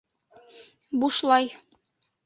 Бушлай!